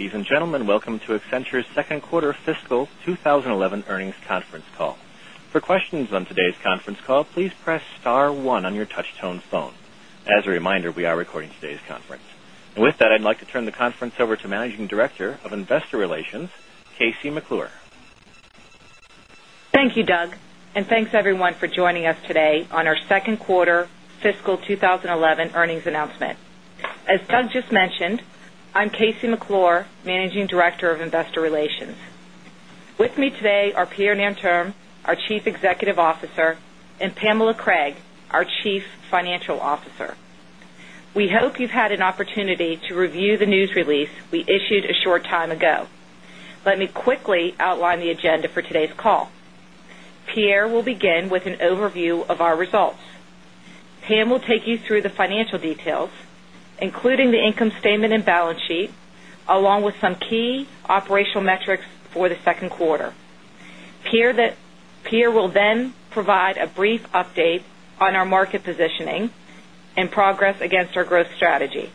Ladies and gentlemen, welcome to Accenture's Second Quarter Fiscal twenty eleven Earnings Conference Call. As a reminder, we are recording today's conference. And with that, I'd like to turn the conference over to Managing Director of Investor Relations, Casey McClure. Thank you, Doug, and thanks everyone for joining us today on our Q2 fiscal 2011 earnings announcement. As Doug just mentioned, I'm Casey McClure, Managing Director of Investor Relations. With me today are Pierre Narmterm, our Chief Executive Officer and Pamela Craig, our Chief Financial Officer. We hope you've had an opportunity to review the news release we issued a short time ago. Let me quickly outline the agenda for today's call. Pierre will begin with an overview of our results. Pam will take you through the financial details, including the income statement and balance sheet, along with some key operational metrics for the the strategy.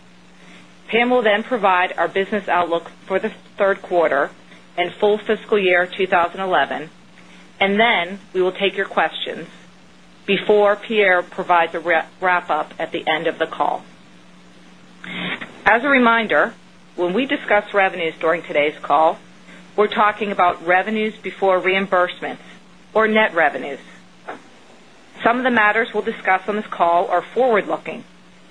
Pam will then provide our business outlook for the Q3 and full fiscal year 2011, and then we will take your questions before Pierre provides a wrap up at the end of the call. As a reminder, when we discuss revenues during today's call, we're talking about revenues before reimbursements or net revenues. Some of the matters we'll discuss on this call are forward looking,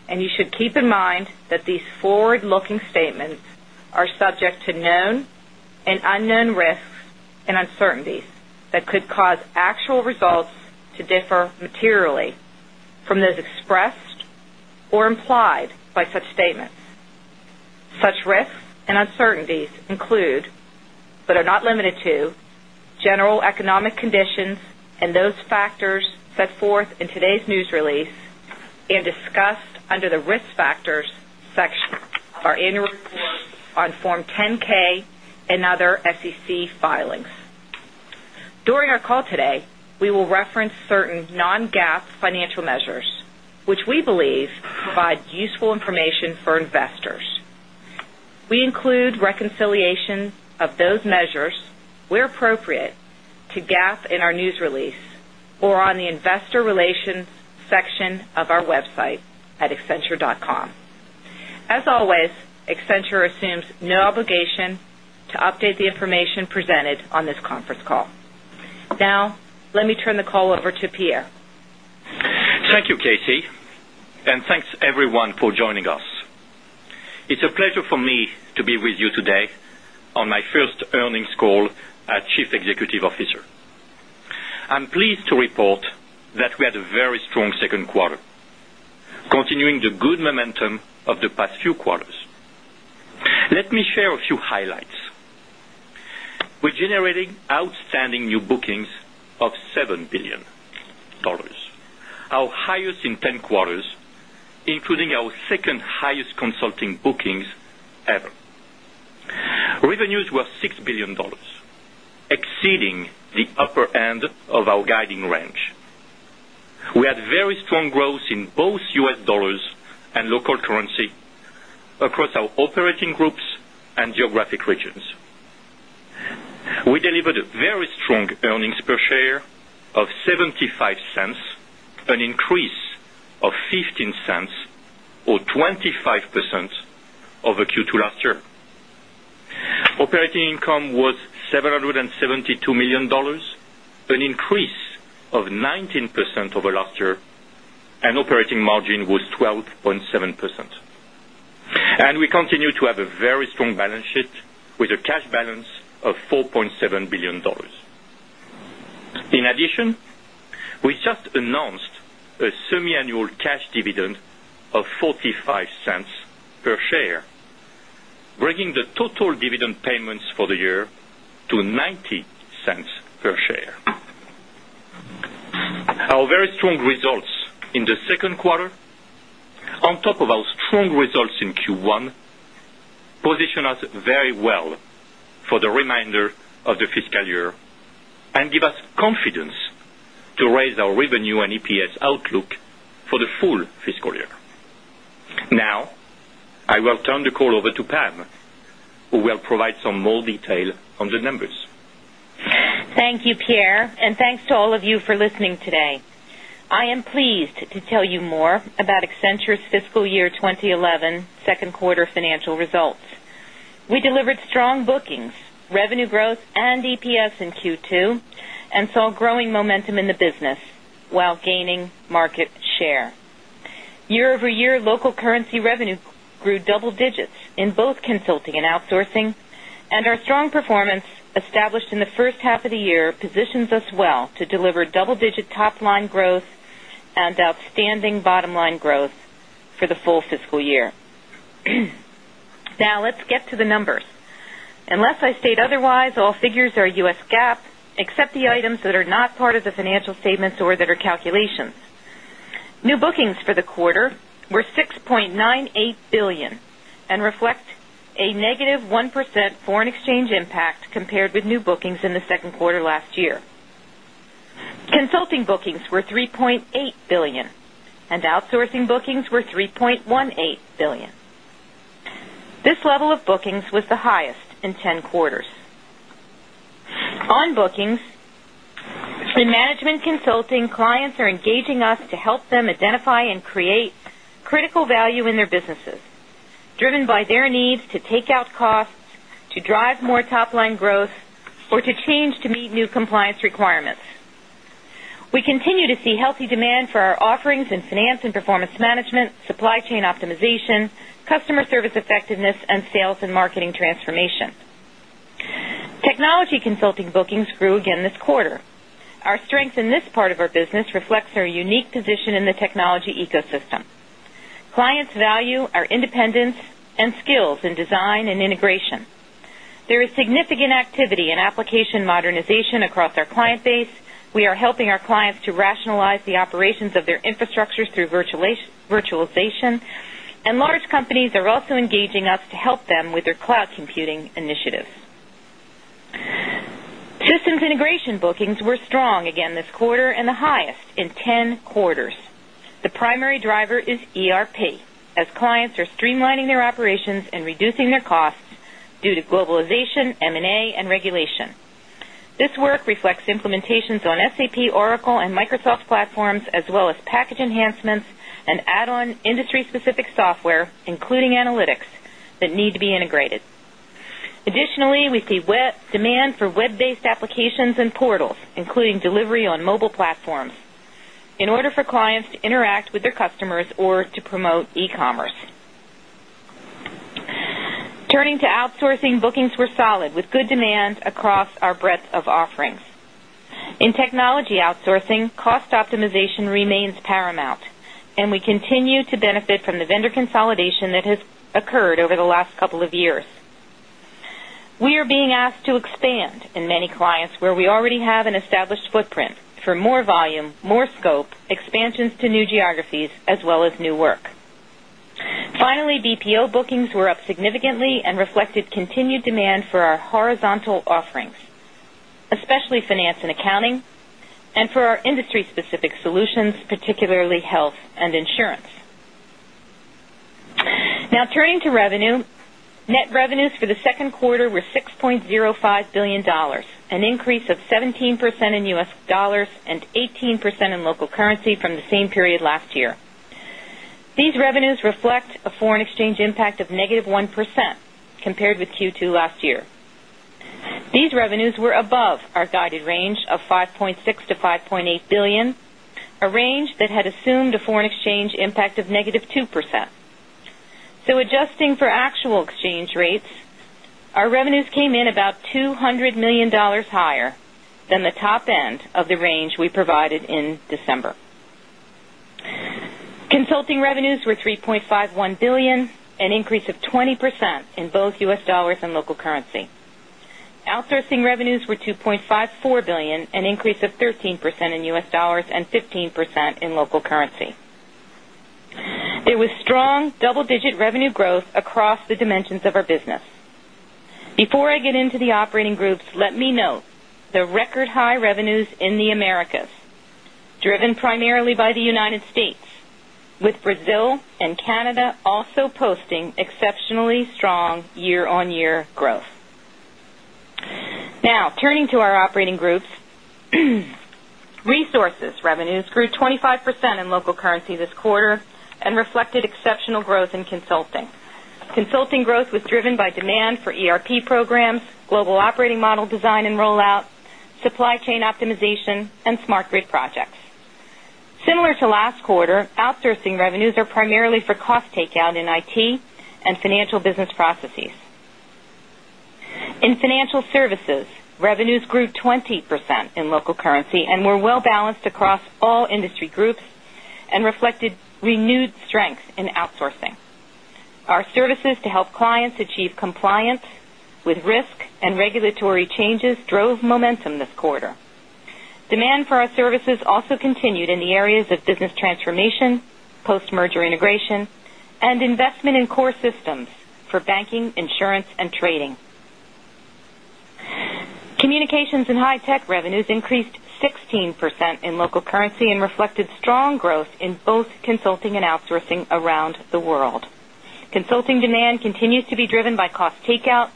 and you should keep in mind that these forward looking statements are subject to known and unknown risks and uncertainties that could cause actual results to differ materially from those expressed or implied by such statements. Such risks and uncertainties include, but are not limited to, general economic conditions and those factors set forth in today's news release and discussed under the Risk Factors section, our annual report on Form 10 ks and other SEC filings. For investors. We include reconciliation of those measures, where appropriate, to GAAP in our news release or on the Investor Relations section of our website at obligation to update the information presented on this conference call. Now let me turn the call over to Pierre. Thank you, Casey, and thanks, everyone, for joining us. It's a pleasure for me to be with you today on my first earnings call as Chief Executive Officer. I'm pleased to report that we had a very strong second quarter, continuing the good momentum of the past few quarters. Let me share a few highlights. We're generating outstanding new bookings of $7,000,000,000 our highest in 10 quarters, including our 2nd highest consulting bookings ever. Revenues were $6,000,000,000 exceeding the upper end of our guiding range. We had very strong growth in both U. S. Dollars and local currency across our operating groups and geographic regions. We delivered a very strong earnings per share of 0 point 7 $5 an increase of $0.15 or 25 percent over Q2 last year. Operating income was $772,000,000 an increase of 19% over last year and operating margin was 12.7%. And we continue to have a very strong balance sheet with a cash balance of $4,700,000,000 In addition, we just announced a semi annual cash dividend of 0 point payments for the year to 0 point 9 0 dollars per share. Our very strong results in the 2nd quarter, on top of our strong results in Q1 position us very well for the remainder of the fiscal year and give us confidence to raise our revenue and EPS outlook for the full fiscal year. Now I will turn the call over to Pam, who will provide some more detail on the numbers. Thank you, Pierre, and thanks to all of you for listening today. I am pleased to tell you more about Accenture's fiscal year 20112nd quarter financial results. We delivered strong bookings, revenue growth and EPS in Q2 and saw growing momentum in the business, while gaining market share. Year over year, local currency revenue grew double digits in both consulting and outsourcing, and our strong performance established in the first half of the year positions us well to deliver double digit top line I state otherwise, all figures are U. S. GAAP, except the items that are I state otherwise, all figures are U. S. GAAP, except the items that are not part of the financial statements or that are calculations. New bookings for the quarter were $6,980,000,000 and reflect a negative 1% foreign exchange impact compared with new bookings in the Q2 last year. Consulting bookings were $3,800,000,000 and outsourcing bookings were $3,180,000,000 This level of bookings was the highest in 10 quarters. On bookings, in management consulting, clients are engaging us to them identify and create critical value in their businesses, driven by their needs to take out costs, to drive more top line growth or to change to meet new compliance requirements. We continue to see healthy demand for our offerings in finance and performance management, supply chain optimization, customer service effectiveness and sales and marketing transformation. Technology consulting bookings grew again this quarter. Our strength in this part of our business reflects our unique position in the technology ecosystem. Clients value our independence and skills in design and integration. There is significant activity in application modernization across our clients to rationalize the operations of their infrastructures through virtualization. And large companies are also engaging us to help with their cloud computing initiatives. Systems integration bookings were strong again this quarter and the highest in 10 quarters. The primary driver is ERP as clients are streamlining their operations and reducing their costs due to globalization, M and A and regulation. This work reflects implementations on SAP, Oracle and Microsoft platforms as well as package enhancements and add on industry specific software, including analytics that need to be integrated. Additionally, we see demand for web based applications and portals, including delivery on mobile platforms in order for clients to interact with their customers or e cost optimization remains paramount, and we continue to benefit from the vendor consolidation that has occurred over the last couple of years. We are being asked to expand in many clients where we already have an established footprint for more volume, more scope, expansions to new geographies as well as new work. Finally, BPO bookings were up significantly and reflected continued demand for our horizontal especially finance and accounting and for our industry specific solutions, particularly health and insurance. Now turning to revenue. Net revenues for the Q2 were $6,050,000,000 an increase of 17% in U. S. Dollars and 18% in local currency from the same period last year. These revenues reflect a foreign exchange impact of negative 1% compared with Q2 last year. These revenues were above our guided range of €5,600,000,000 to €5,800,000,000 a range that had assumed a foreign exchange impact of negative 2%. So adjusting for actual exchange rates, our revenues came in about $200,000,000 higher than the top end of the range we provided in December. Consulting revenues were $3,510,000,000 an increase of 20% in both U. S. Dollars and local currency. Outsourcing revenues were $2,540,000,000 an increase of 13% in U. S. Dollars and 15% in local currency. There was strong There was strong double digit revenue growth across the dimensions of our business. Before I get into the operating groups, let me note the record high revenues in the Americas, driven primarily by the United States, with Brazil and Canada also posting exceptionally strong year on year growth. Now turning to our operating groups. Resources revenues grew 25% in local currency this quarter and reflected exceptional growth in consulting. Consulting growth was driven by demand for ERP programs, global operating model design and rollout, supply chain optimization and smart grid projects. Similar to last quarter, outsourcing revenues are primarily for cost take out in IT and Financial Business Processes. In Financial Services, revenues grew 20% in local currency and were well balanced across all industry groups and reflected renewed strength in outsourcing. Our continued in the areas of business transformation, post merger integration and investment in core systems for banking, insurance and trading. Communications and high-tech revenues increased 16% in local currency and reflected strong growth in both consulting around the world. Consulting demand continues to be driven by cost takeout,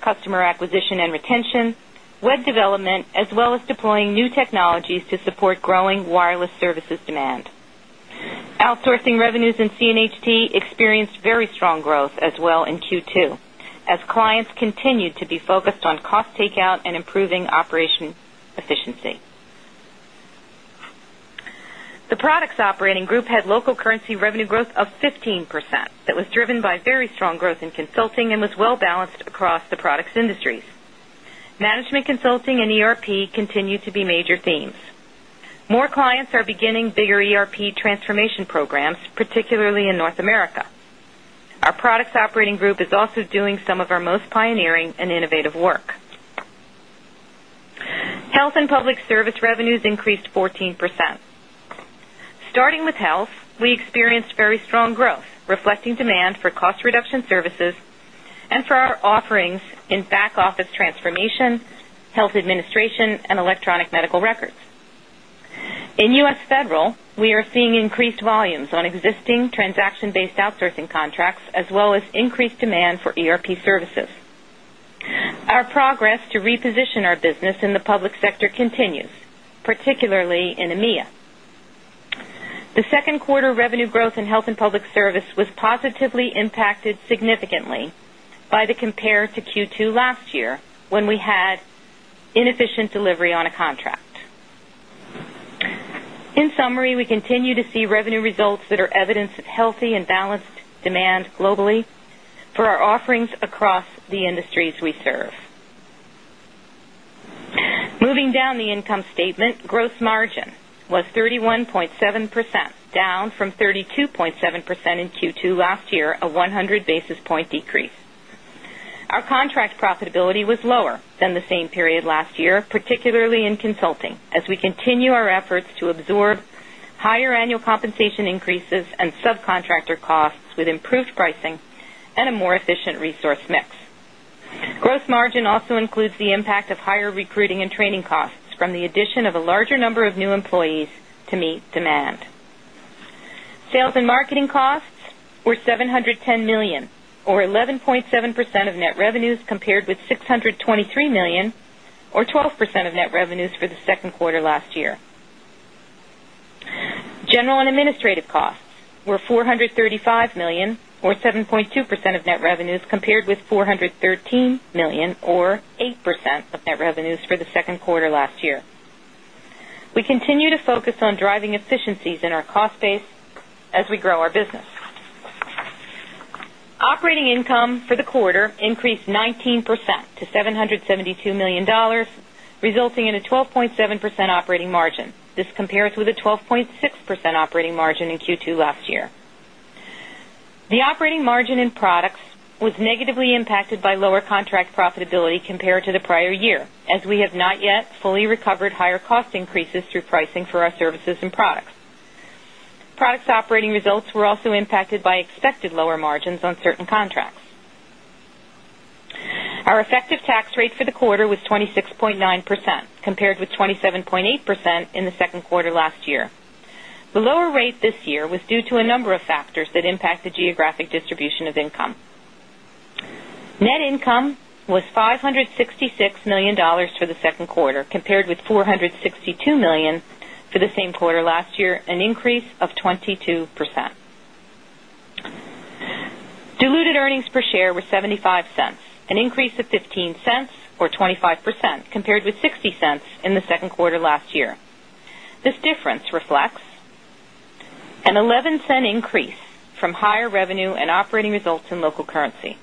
customer acquisition and retention, web development as well as deploying new technologies to support growing wireless services demand. Outsourcing revenues in CNHT experienced very strong growth as well in Q2 as clients continued to be focused on cost takeout and improving operation efficiency. The products operating group had local currency revenue growth of 15% that was driven by very strong growth in consulting and was well balanced across the products industries. Management consulting and ERP continue to be major themes. More clients are beginning bigger ERP transformation programs, particularly in North America. Our products operating group is also doing some of our most pioneering and innovative work. Health and Public Service reduction services and for our offerings in back office transformation, health administration and electronic medical records. In U. S. Federal, we are seeing increased volumes on existing transaction based outsourcing contracts as well as increased demand for ERP services. Our progress to reposition our business in the public sector continues, particularly in EMEA. The 2nd quarter revenue growth in Health and Public Service was positively impacted significantly by the compare to Q2 last year when we had inefficient delivery on a contract. In summary, we continue to see revenue results that are evidence of healthy and balanced demand globally for our offerings across the industries we serve. Moving down the income statement. Gross margin was 31.7%, down from 32.7% in Q2 last year, a 100 basis point decrease. Our contract profitability was lower than the same period last year, particularly in consulting, as we continue our efforts to absorb higher annual compensation increases and subcontractor costs with improved pricing and a more efficient resource margin also includes the impact of higher recruiting and training costs from the addition of a larger number of new employees to meet demand. Sales and marketing costs were $710,000,000 or 11.7 percent of net revenues compared with $623,000,000 or 12% of net revenues for the Q2 last year. General and administrative costs were CAD435 1,000,000 or 7.2 percent of net revenues compared with $413,000,000 or 8% of net revenues for the Q2 last year. We continue to focus on driving efficiencies in our cost base as we grow our business. Operating 12 0.6% operating margin in Q2 last year. The operating margin in products was negatively impacted by lower contract profitability compared to the prior year as we have not yet fully recovered higher cost increases through pricing for our services and products. Products operating results were also impacted by expected lower margins on certain contracts. Our effective tax rate for the quarter was 20 6.9% compared with 27.8% in the Q2 last year. The lower rate this year was due to a number of factors that impacted geographic distribution of income. Net income was $566,000,000 for the 2nd quarter compared with 4 $62,000,000 for the same quarter last year, an increase of 22%. Diluted earnings per share were 0 point 7 increase of $0.15 or 25 percent compared with $0.60 in the Q2 last year. This difference reflects an $0.11 increase from higher revenue and operating results in local currency,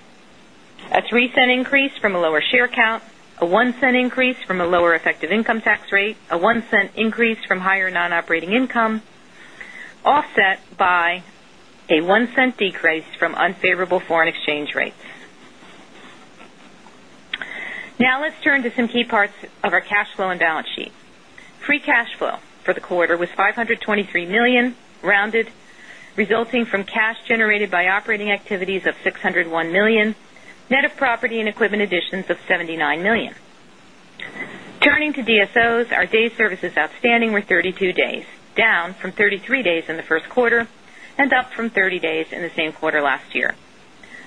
a $0.03 increase from a lower share count, a $0.01 increase from a lower effective income tax rate, a $0.01 increase from higher non operating income, offset by a $0.01 decrease from unfavorable foreign exchange rates. Now let's turn to some key parts of our cash flow and balance sheet. Free cash flow for the quarter was $523,000,000 rounded, resulting from cash generated by operating activities of $601,000,000 net of property and equipment additions of $79,000,000 Turning to DSOs, our day services outstanding were 32 days, down from 33 days in the Q1 and up from 30 days in the same quarter last year.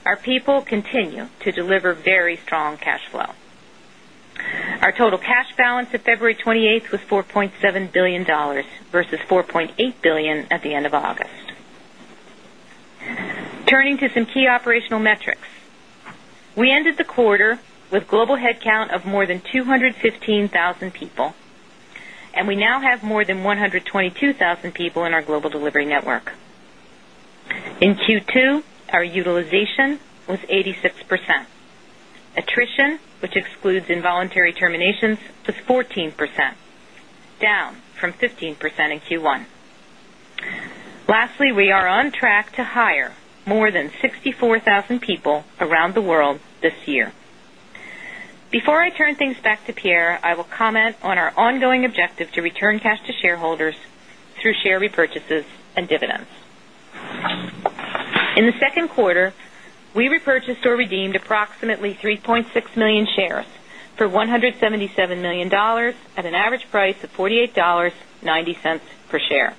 Our people continue to deliver very strong cash flow. Our total cash balance at February 28 was $4,700,000,000 versus $4,800,000,000 at the end of August. Turning to some key operational metrics. We ended the quarter with global headcount of more than 215 1,000 people, and we now have more than 122,000 people in our global delivery network. In Q2, our utilization was 86%. Attrition, which excludes involuntary terminations, was 14%, down from 15% in Q1. Lastly, we are on track to hire more than 64,000 people around the world this year. Before I turn things back to Pierre, I will comment on our ongoing objective to return cash to shareholders through share repurchases and dividends. In the Q2, we repurchased or redeemed approximately 3,600,000 shares for $177,000,000 at an average price of $48.90 per share.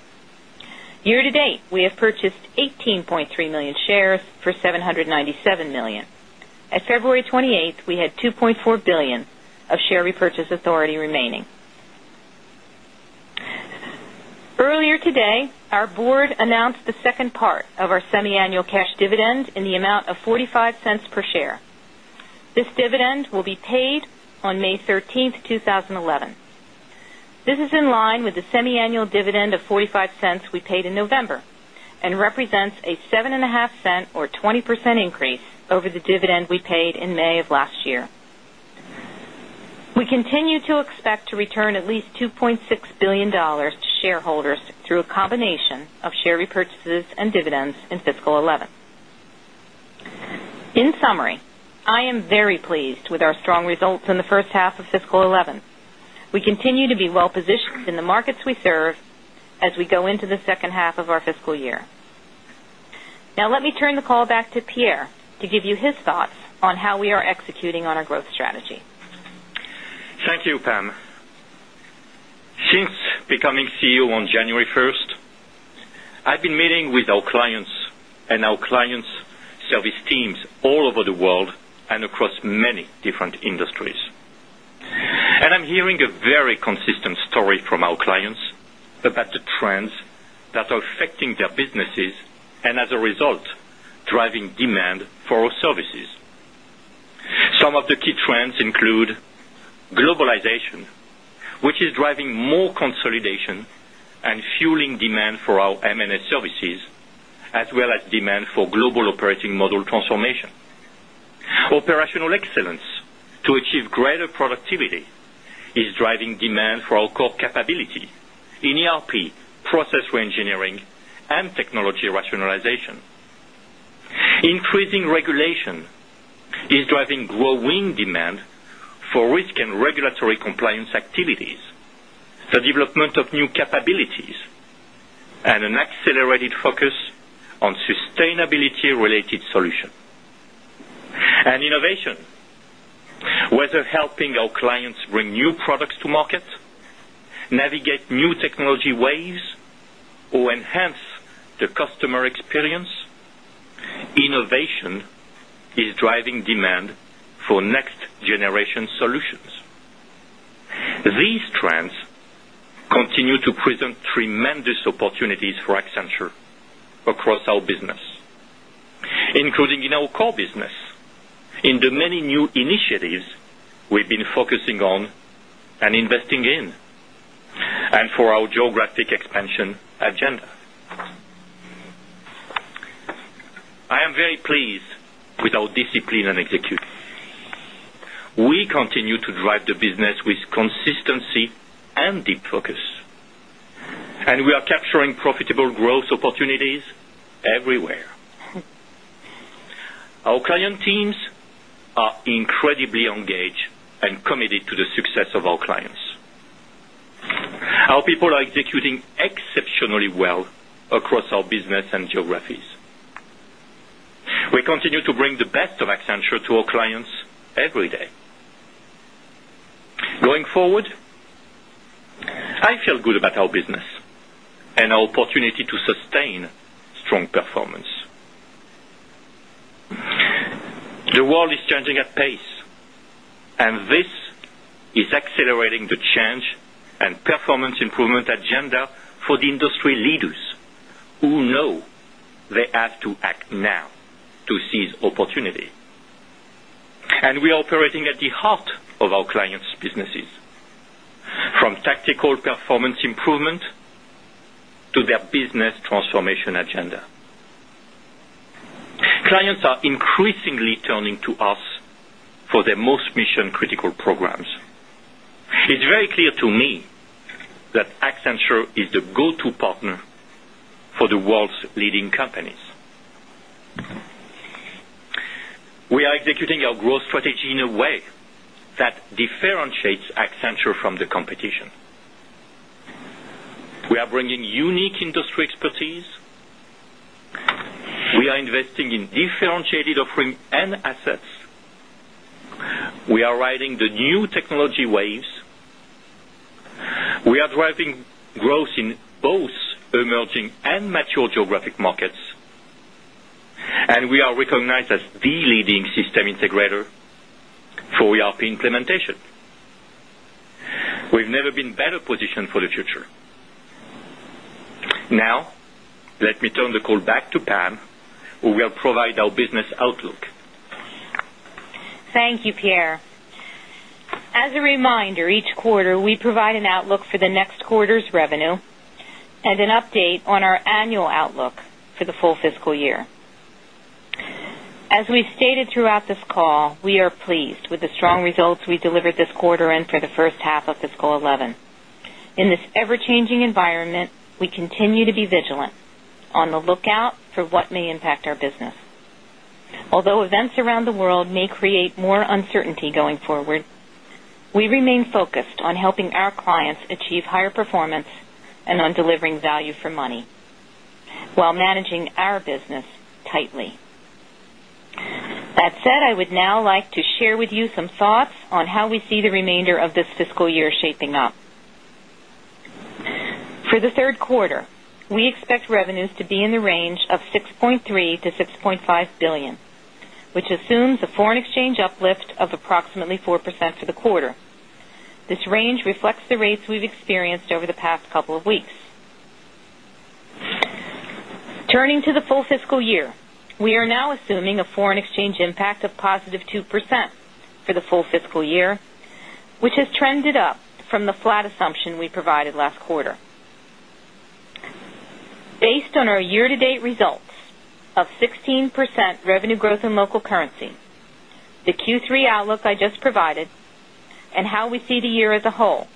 Year to date, we have purchased 18,300,000 shares for 7.90 $7,000,000 At February 28, we had $2,400,000,000 of share repurchase authority remaining. Earlier today, our Board announced the 2nd part of our semiannual cash dividend in the amount of $0.45 per share. This dividend will be paid on May 13, 2011. This is in line with the semiannual dividend of $0.45 we paid in November and represents a $0.075 or 20 percent increase over the dividend we paid in May of last year. Continue to expect to return at least $2,600,000,000 to shareholders through a combination of share repurchases and dividends in fiscal 2011. In summary, I am very pleased with our strong results in the first half of fiscal twenty eleven. We continue to be well positioned in the markets we serve as we go into the second half of our fiscal year. Now let me turn the call back to Pierre to give you his thoughts on how we are executing on our growth strategy. Thank you, Pam. Since becoming CEO on January 1, I've been meeting with our clients and our clients' service teams all over the world and across many different industries. And I'm hearing a very consistent story from our clients about the trends that are affecting their businesses and, as a result, driving demand for our services. Some of the key trends include globalization, which is driving more consolidation and fueling demand for our M and S services as well as demand for global operating model transformation Operational excellence to achieve greater productivity is driving demand for our core capability in ERP, process reengineering and technology rationalization. Increasing regulation is driving growing demand for risk and regulatory compliance activities, the development of new capabilities and to market, navigate new technology ways or enhance the customer experience, innovation is driving demand for next generation solutions. These trends to present tremendous opportunities for Accenture across our business, including in our core business, in the many new initiatives we've been focusing on and investing in and for our geographic expansion agenda. I am very pleased with our discipline and execution. We continue to drive the business with consistency and deep focus, and we are capturing profitable growth opportunities everywhere. Our client teams are incredibly engaged and committed to the success of our clients. Our people are executing exceptionally well across our business and geographies. We continue to bring the best of Accenture to our clients every day. Going forward, I feel good about our business and our opportunity to sustain strong performance. The world is changing at pace, and this is accelerating the change and performance improvement agenda for the industry leaders who know they have to act now to seize opportunity. And we are operating at the heart of our clients' businesses, tactical performance improvement to their business transformation agenda. Clients are increasingly turning to us for their most mission critical programs. It's very clear to me We are executing our growth strategy in a way that differentiates Accenture from the competition. We are bringing unique industry expertise. We are investing in differentiated offering and assets. We are riding the new technology waves. We are driving growth in both emerging and mature geographic markets, and we are recognized as the leading system integrator for ERP implementation. We've never been better positioned for the future. Now let me turn the call back to Pam, who will provide our business outlook. Thank you, Pierre. As a reminder, each quarter, we provide an outlook for the As we stated throughout this call, we are pleased with the strong results we delivered this quarter and for the first half of fiscal twenty eleven. In this ever changing environment, continue to be vigilant on the lookout for what may impact our business. Although events around the world may create more uncertainty going forward, we remain focused on helping our clients achieve higher performance and on delivering value for money, while managing our business tightly. That said, I would now like to share with you some thoughts on how we see the remainder of this fiscal year shaping up. For the Q3, we expect revenues to be in the range €6,300,000,000 to €6,500,000,000 which assumes a foreign exchange uplift of approximately 4% for the quarter. This range reflects the rates we've experienced over the past couple of weeks. Turning to the full fiscal year. We are now assuming a foreign exchange impact of positive 2% for the full fiscal year, which has trended up from the flat assumption we provided last quarter. Based on our year to date results of 16% revenue growth in local currency, the Q3 outlook I just provided and how we see the year as a whole,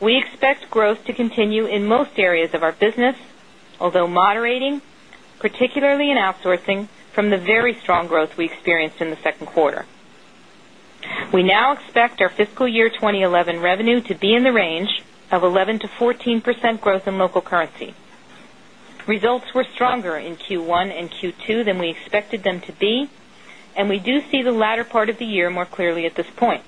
We expect growth to continue in most areas of our business, although moderating, particularly from the very strong growth we experienced in the Q2. We now expect our fiscal year 2011 revenue to be in the range of 11% to 14 percent growth in local currency. Results were stronger in Q1 and Q2 than we expected them to be, and we do see the latter part of the year more clearly this point.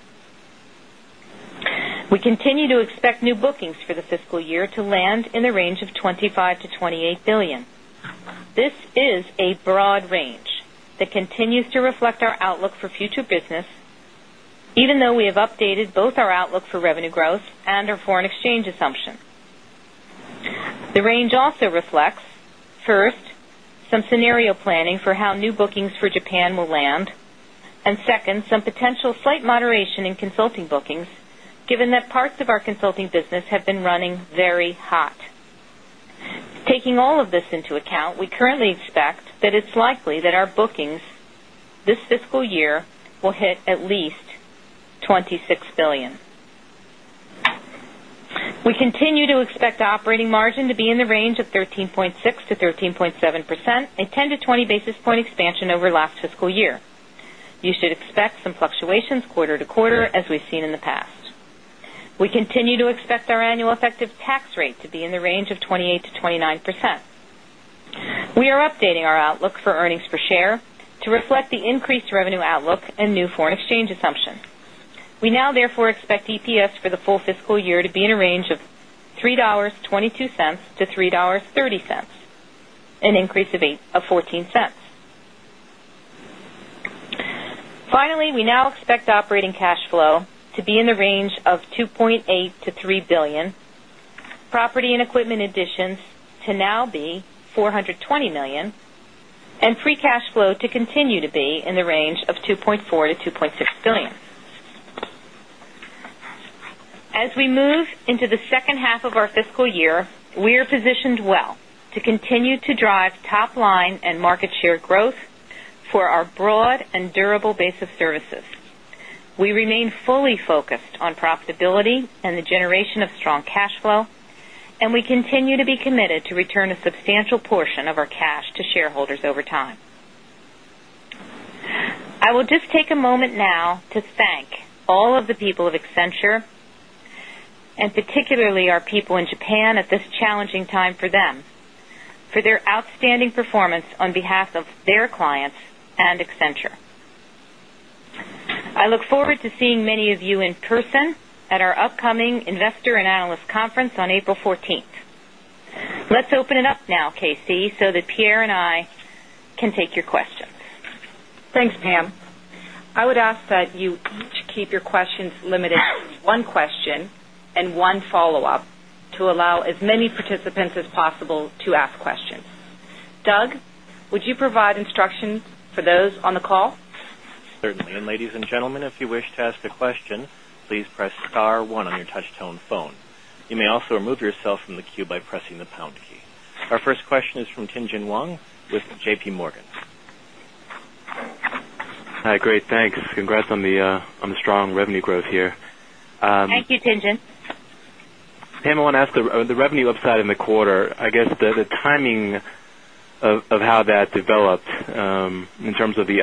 We continue to expect new bookings for the fiscal year to land in the range of €25,000,000,000 to 28 €1,000,000,000 This is a broad range that continues to reflect our outlook for future business, even though we have updated both our outlook for revenue growth and our foreign exchange assumption. The range also reflects, 1st, some scenario planning first, some scenario planning for how new bookings for Japan will land and second, some potential slight moderation in consulting bookings given that parts of our consulting business have been running very hot. Taking all of this into account, we currently expect that it's likely that our bookings this fiscal year will hit at least $26,000,000,000 We continue to expect operating margin to be in the range of 13.6% to 13.7 percent, a 10 to 20 basis point expansion over last fiscal year. You should expect some fluctuations quarter to quarter as we've seen in the past. We continue to expect our annual effective tax rate to be in the range of 28% to 29%. We are updating our outlook for earnings per share to reflect the increased revenue outlook and new exchange assumption. We now therefore expect EPS for the full fiscal year to be in a range of $3.22 to 3 $0.30 dollars an increase of $0.14 Finally, we now expect operating cash flow to be in the range of $2,800,000,000 to $3,000,000,000 property and equipment additions to now be $420,000,000 and free cash flow to continue to be in the range of $2,400,000,000 to $2,600,000,000 As we move into the second half of our fiscal year, we are positioned well to continue to drive top line and market share growth for our broad and durable base of services. We remain fully focused on profitability and the generation of strong cash flow, and we continue to be committed to return a substantial portion of our cash to shareholders over time. I will just take a moment now to thank all of the people of Accenture and particularly our people in Japan at this challenging time for them for their outstanding performance on behalf of their clients and Accenture. I look forward to seeing many of you in person at our upcoming Investor and Analyst Conference on April 14. Let's open it up now, KC, so that Pierre to one question and one follow-up to allow as many participants as possible to ask questions. Doug, would you provide instructions for those on the call? Our first question is from Tien Tsin Huang with JPMorgan. Congrats on the strong revenue growth here. Thank you, Tien Tsin. Pam, I want to ask the revenue upside in the quarter, I guess the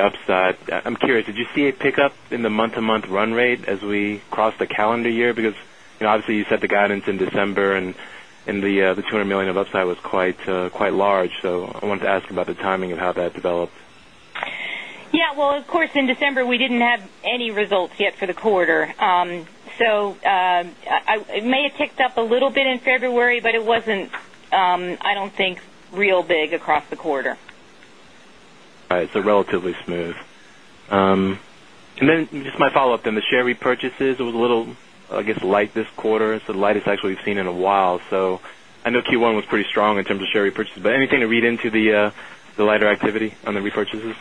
upside. I'm curious, did you see a pickup in the month to month run rate as we cross the calendar year? Because obviously you set the guidance in December and the $200,000,000 of upside was quite large. So I wanted to ask about the timing of how that developed. Yes. Well, of course, in December, we didn't have any results yet for the quarter. So it may have ticked up a little bit in February, but it wasn't, I don't think real big across the quarter. Right. So relatively smooth. And then just my follow-up on the share repurchases, it was a little, I guess, light this quarter. It's the lightest actually we've seen in a while. So I know Q1 was pretty strong in terms of share repurchase, but anything to read into the lighter activity on the repurchases?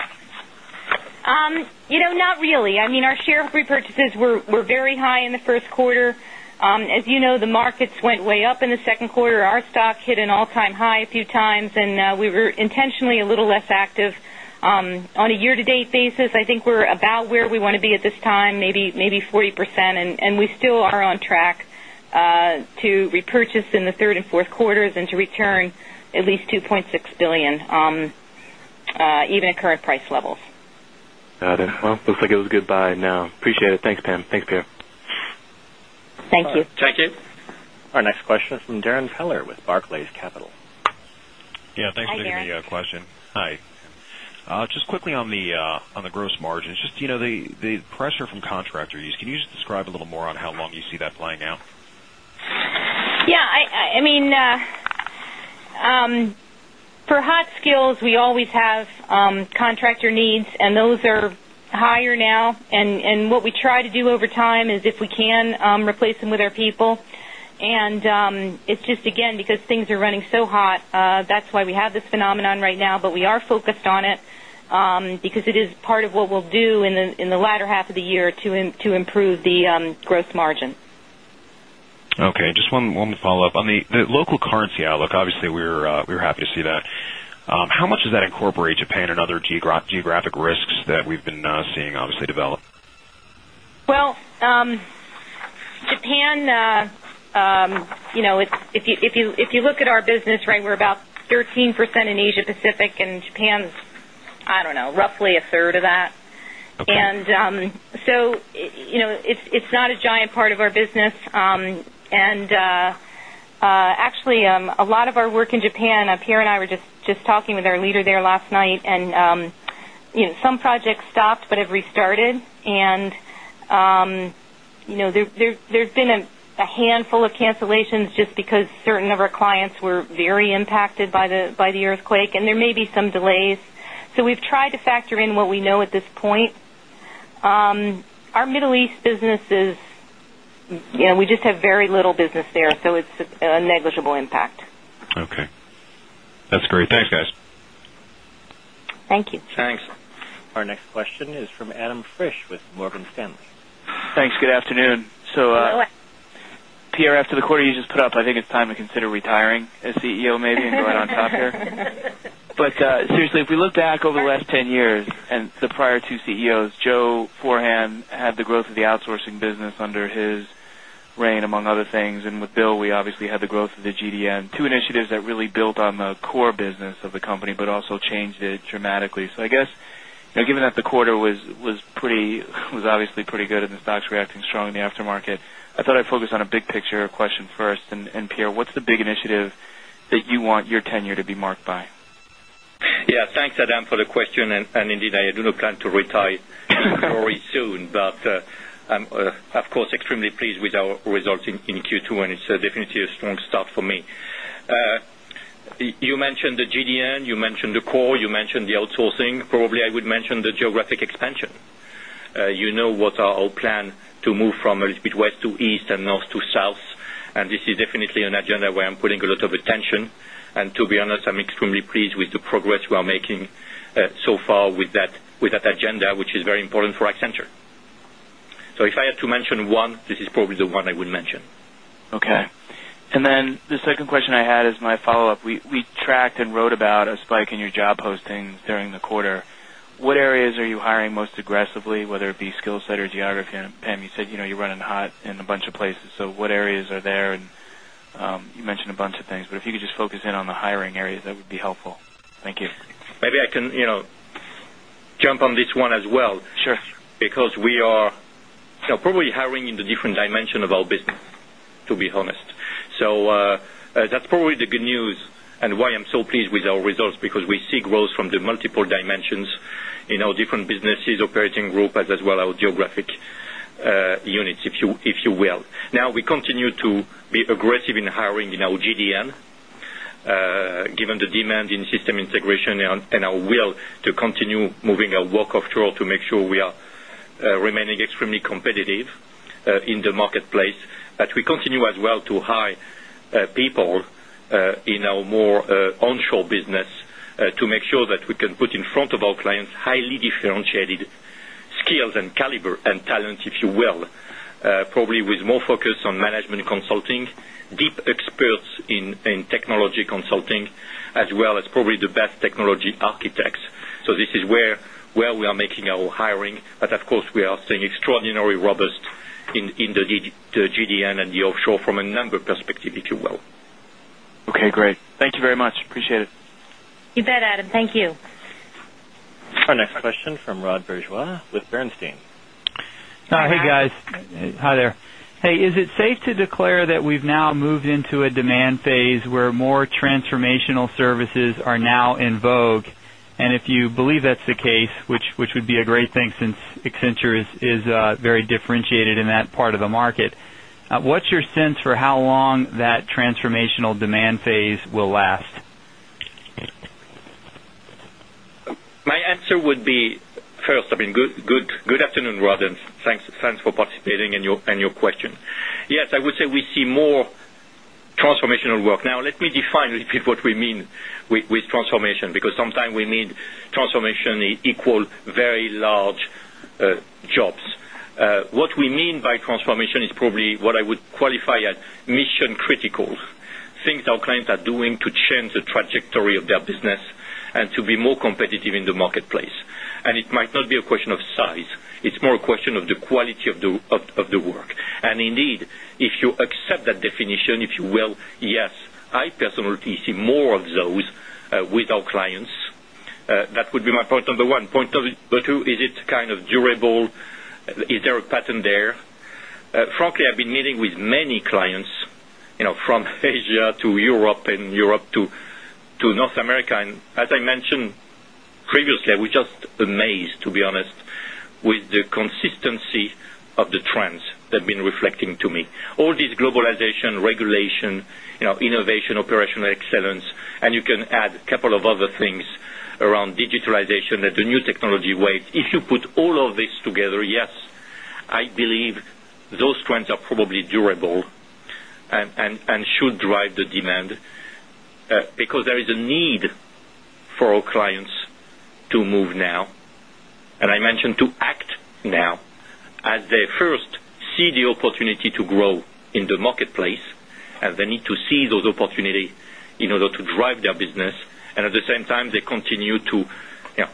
Not really. I mean, our share repurchases were very high in the Q1. As you know, the markets went way up in the second quarter. Our stock hit an all time high a times, and we were intentionally a little less active. On a year to date basis, I think we're about where we want to be at this time, maybe 40%, and we still are on track to repurchase in the 3rd and 4th quarters and to return at least $2,600,000,000 even at current price levels. Got it. Well, looks like it was a good buy now. Appreciate it. Thanks, Pam. Thanks, Pierre. Thank you. Thank you. Our next question is from Darrin Peller with Barclays Capital. Yes. Thanks for the question. Hi. Just quickly on the gross margins, just the pressure from contractors, can you just describe a little more on how long you see that playing out? Yes, I mean, for hot skills, we always have contractor needs and those are higher now. And what we try to do over time is if we can, replace them with our people. And it's just again because things are running so hot, that's why we have this phenomenon right now, but we are focused on it because it is part of what we'll do in the latter half of the year to improve the gross margin. Okay. Just one follow-up. On the local currency outlook, obviously, we're happy to see that. How much does that incorporate Japan and other geographic risks that we've been seeing obviously develop? Well, Japan, if you look at our business, right, we're about 13% in Asia Pacific and Japan is, I don't know, roughly a third of that. And so it's not a giant part of our business. And actually, a lot of our work in Japan, Pierre and I were just talking with our leader there last night and some projects stopped, but have restarted. And there's been a handful of cancellations just because certain of our clients were very impacted by the earthquake and there may be some delays. So we've tried to factor in what we know at this point. Our Middle East business is we just have very little business there. So it's a negligible impact. Okay. That's great. Thanks guys. Thank you. Thanks. Our next question is from Adam Fish with Morgan Stanley. Thanks. Good afternoon. So Pierre after the quarter you just put up, I think it's time to consider retiring as CEO maybe and go right on top here. But seriously, if we look back over the last 10 years and prior 2 CEOs, Joe Forhan had the growth of the outsourcing business under his reign among other things and with Bill, we obviously had the growth of the GDN. 2 initiatives that really built on the core business of the company, but also changed it dramatically. So I guess, given that the quarter was pretty was obviously pretty good and the stock is reacting strong in the aftermarket. I thought I'd focus on a big picture question first. And Pierre, what's the big initiative that you want your tenure to be marked by? Yes. Thanks, Adam, for the question. And indeed, I do not plan to retire very soon. But I'm, of course, extremely pleased with our results in Q2, and it's definitely a strong start for me. You mentioned the GDN. You mentioned the core, you mentioned the outsourcing. Probably, I would mention the geographic expansion. You know what our plan to move from a little bit west to east and north to south, and this is definitely an agenda where I'm putting a lot of attention. And to be honest, I'm extremely pleased with the progress we are making so far with that agenda, which is very important for Accenture. So if I had to mention 1, this is probably the one I would mention. Okay. And then the second question I had is my follow-up. We tracked and wrote about a spike in your job postings during the quarter. What areas are you hiring most aggressively, whether it be skill set or geography? And Pam, you said you're running hot in a bunch of places. So what areas are there? And you mentioned a bunch of things, but if you could just focus in on the hiring areas, that would be helpful. Thank you. Maybe I can jump on this one as well. Sure. Because we are probably hiring in the different dimension of our business, to be honest. So that's probably the good news and why I'm so pleased with our results because we see growth from the multiple dimensions in our different businesses, operating group as well our geographic units, if you will. Now we continue to be aggressive in hiring in our GDN given the demand in system integration and our will to continue moving our walk off shore to make sure we are remaining extremely competitive in the marketplace. But front of our clients highly differentiated skills and caliber and talents, if you will, probably with more focus on management consulting, deep experts in technology consulting as well as probably the best technology architects. So this is where we are making our hiring. But of course, we are seeing extraordinary robust in the GDN and the offshore from a number perspective, if you will. Okay, great. Thank you very much. Appreciate it. You bet, Adam. Thank you. Our next question is from Rod Bourgeois with Bernstein. Hey, guys. Hi, there. Hey, is it safe to declare that we've now moved into a demand phase where more transformational services are now in vogue? And if you believe that's the case, which would be a great thing since Accenture is very differentiated in that part of the market, What's your sense for how long that transformational demand phase will last? My answer would be first, I mean, good afternoon, Rod and thanks for participating in your question. Yes, I would say we see more transformational work. Now let me define what we mean with transformation because sometimes we mean transformation equal very large jobs. What we mean by transformation is probably what I would qualify as mission critical, things our clients are doing to change the trajectory of their business and to be more competitive in the marketplace. And it might not be a question of size. It's more a question of the quality of the work. And indeed, if you accept that definition, if you will, yes, I personally see more of those with our clients. That would be my point, number 1. Point number 2, is it kind of durable? Is there a pattern there? Frankly, I've been meeting with many clients from Asia to Europe and Europe to North America. And as I mentioned previously, we're just amazed, to be honest, with the consistency of the trends that have been reflecting to me. All these globalization, regulation, innovation, operational excellence, and you can add a couple of other things around digitalization that the new technology wave. If you put all of this together, yes, I believe those trends are probably durable and should drive the demand because there is a need for our clients to move now. And I mentioned to act now as they first see the opportunity to grow in the marketplace and they need to see those opportunity in order to drive their business. And at the same time, they continue to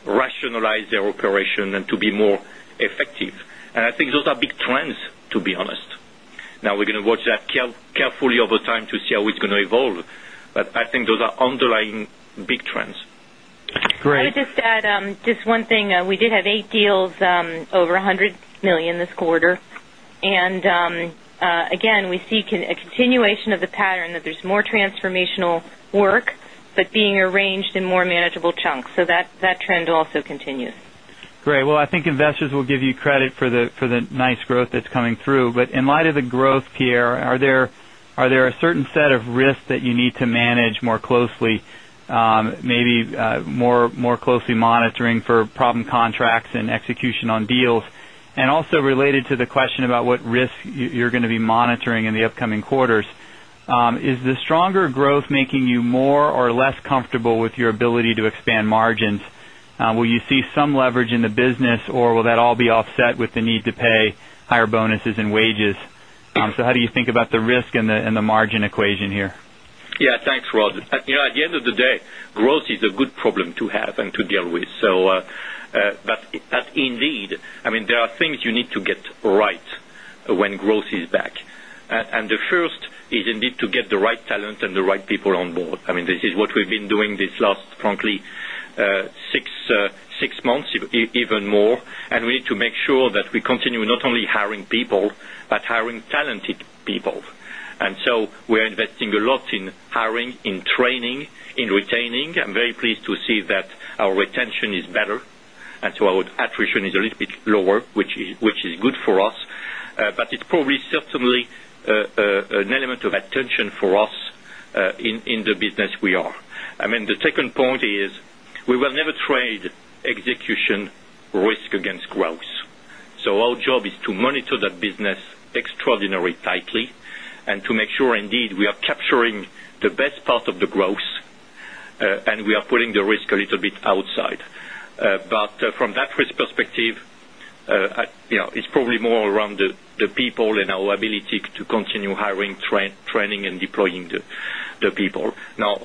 rationalize their operation and to be more effective. And I think those are big trends, to be honest. Now we're going to watch that carefully over time to see how it's going to evolve, but I think those are underlying big trends. Great. I would just add just one thing. We did have 8 deals over €100,000,000 this quarter. And again, we see a continuation of the pattern that there's more transformational work, but being arranged in more manageable chunks. So that trend also continues. Great. Well, I think investors will give you credit for the nice growth that's coming through. But in light of the growth, Pierre, are there a certain set of risks that you need to manage more closely, maybe more closely monitoring for problem contracts and execution on deals. And also related to the question business? Ability to expand margins? Will you see some leverage in the business or will that all be offset with the need to pay higher bonuses and wages? So how do you think about the risk and the margin equation here? Yes. Thanks, Rod. At the end of the day, growth is a good problem to have and to deal with. So but indeed, I mean, there are things you need to get right when growth is back. And the first is indeed to get right talent and the right people on board. I mean, this is what we've been doing this last, frankly, 6 months, even more. And we need to make sure that we continue in retaining. I'm very pleased to see that our retention is better. And so our attrition is a little bit lower, which is good for us. But it's probably certainly an element of attention for us in the business we are. I mean, the second point is we will never trade execution risk against growth. So our job is to monitor that business extraordinarily tightly and to make sure indeed we are capturing the best perspective, it's probably more around the people, perspective, it's probably more around the people and our ability to continue hiring, training and deploying the people.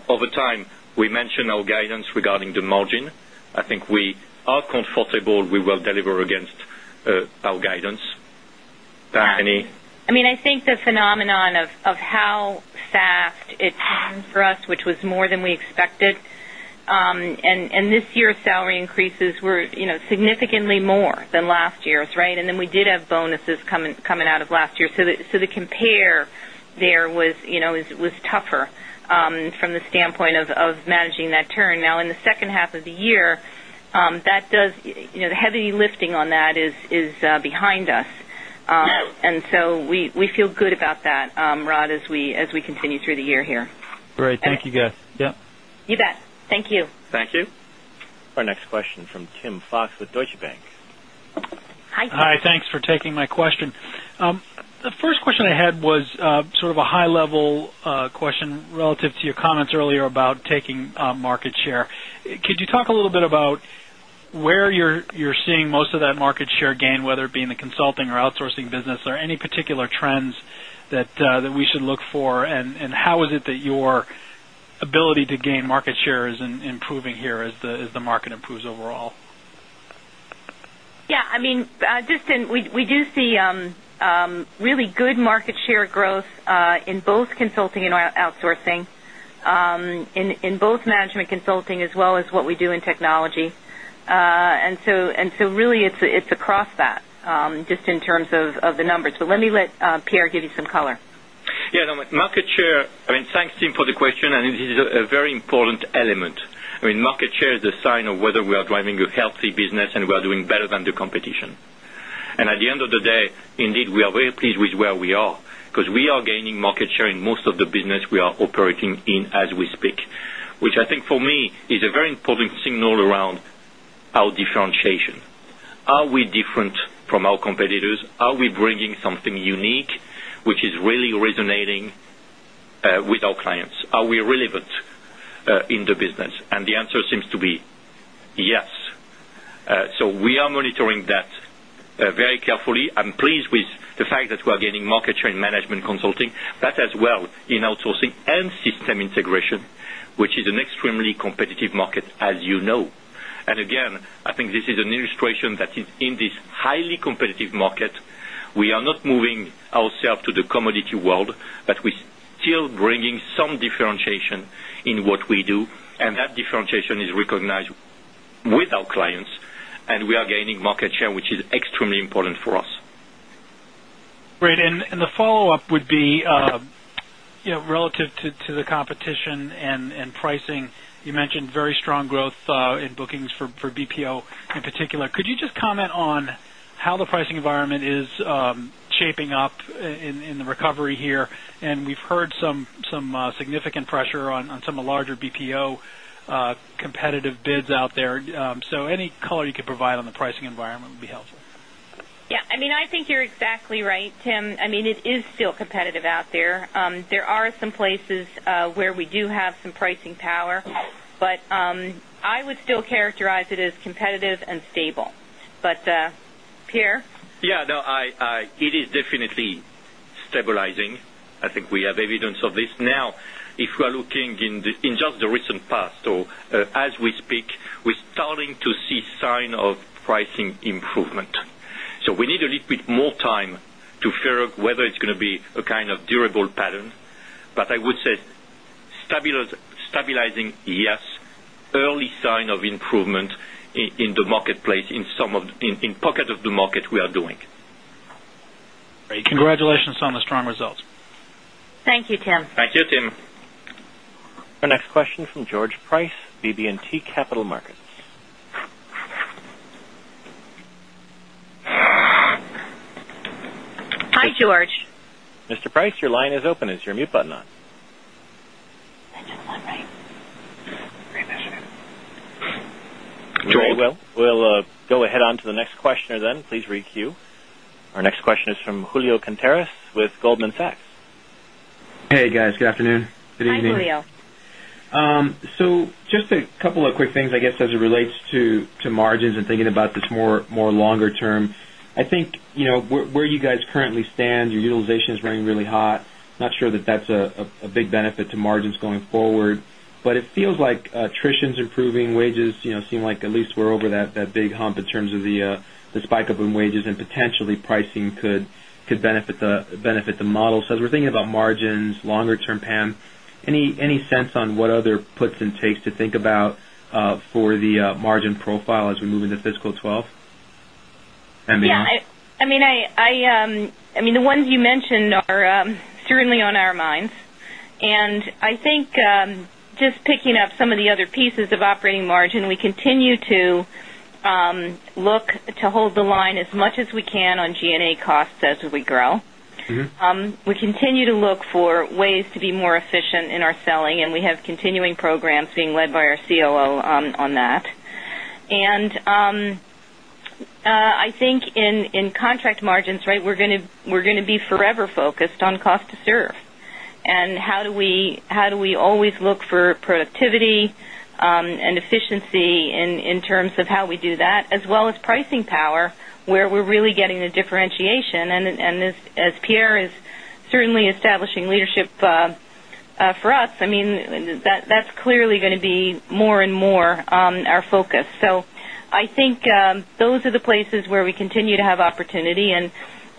Over time, we mentioned our guidance regarding the margin. I think we are comfortable we will deliver against our guidance. Bethany? I mean, I think the phenomenon of how fast it seems for us, which was more than we expected, And this year salary increases were significantly more than last year's, right? And then we did have bonuses coming out of last year. So the compare there was tougher from the standpoint of managing that turn. Now in the second half of the year, that does the heavy lifting on that is behind us. And so we feel good about that, Rod, as we continue through the year here. Great. Thank you, guys. You bet. Thank you. Thank you. Our next question is from Tim Fox with Deutsche Bank. Hi, Tim. Hi. Thanks for taking my question. The first about where you're seeing most of that market share gain, whether it be in the consulting or outsourcing business or any particular trends that we should look for? And how is it that your ability to gain market share is improving here as the market improves overall? Yes. I mean, just in we do see really good market share growth in both consulting and outsourcing, in both management consulting as well as what we do in technology. And so really it's across that, just in terms of the numbers. But let me let Pierre give you some color. Yes. Market share I mean, thanks, Tim, for the question. I mean, this is a very important element. I mean, market share is a sign of whether we are driving a healthy business and we are doing better than the competition. And at the end of the day, indeed, we are very pleased with where we are because we are gaining market share in most of the business we are operating in as we speak, which I think for me is a very important signal around our differentiation. Are we different from our competitors? Are we bringing something unique, which is really resonating with our clients? Are we relevant in the business? And the answer seems to be yes. So we are monitoring that very carefully. I'm pleased with the fact that we are gaining market share in management consulting, but as well in outsourcing and system integration, which is an extremely competitive market, as you know. And again, I think this is an illustration that in this highly competitive market, we are not moving ourselves to the commodity world, but we're still bringing some differentiation in what we do, and that differentiation is recognized with our clients, and we are gaining market share, which is extremely important for us. Great. And the follow-up would be relative to the competition and pricing, you mentioned very strong growth in bookings for BPO in particular. Could you just comment on how the pricing environment is shaping up in the recovery here? And we've heard some significant pressure on some of the larger BPO competitive bids out there. So any color you could provide on the pricing environment would be helpful. Yes. I mean, I think you're exactly right, Tim. I mean, it is still competitive out there. There are some places where we do have some definitely stabilizing. I think we have evidence of this. Now if we are looking in just the recent past or as we speak, we're starting to see sign of pricing improvement. So we need a little bit more time to figure out whether it's going to be a kind of durable pattern. But I would say stabilizing, yes, early sign of improvement in the marketplace in some of in pocket of the market we are doing. Our question is from George Price, BB and T Capital Markets. Mr. Price, your line is open. Is your mute button on? Great question. We'll go ahead on to the next questioner then. Please re queue. Our next question is from Julio Contreras with Goldman Sachs. Hey guys, good afternoon. Hi, Julio. So just a couple of quick things, I guess, as it relates to margins and thinking about this more longer term. I think where you guys currently stand, your utilization is running really hot. Not sure that that's a big benefit to margins going forward. But it feels like attrition is improving wages, seem like at least we're over that big hump in terms of the spike up in wages and potentially pricing could benefit the model. So as we're thinking about margins longer term, Pam, any sense on what other puts and takes to think about for the margin profile as we move into fiscal 2012? Yes. I mean the ones you mentioned are certainly on our minds. And I think just picking up some of the other pieces of operating margin, we continue to look to hold the line as much as we can on G and A costs as we grow. We continue to look for ways to be more efficient in our selling and we have continuing programs being led by our COO on that. And I think in contract margins, right, to be forever focused on cost to serve. And how do we always look for productivity and efficiency in terms of how we do that as well as pricing power where we're really getting the differentiation. And as Pierre is certainly establishing leadership for us, I mean, that's clearly going to be more and more our focus. So I think those are the places where we continue to have opportunity. And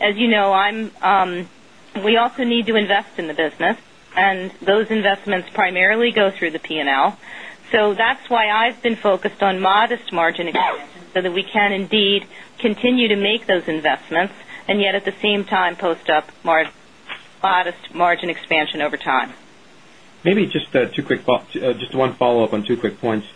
as you know, I'm we also need to invest in the business and those investments primarily go through the P and L. So that's why I've been focused on modest margin expansion, so that we can indeed continue to make those investments and yet at the same time post up modest margin expansion over time. Maybe just one follow-up on two quick points.